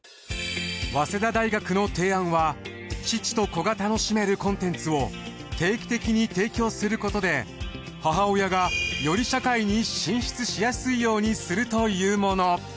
早稲田大学の提案は父と子が楽しめるコンテンツを定期的に提供することで母親がより社会に進出しやすいようにするというもの。